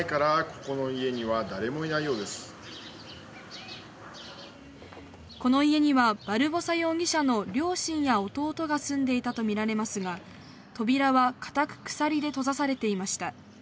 この家にはバルボサ容疑者の両親や弟が住んでいたとみられますが扉は硬く鎖で閉ざされていました。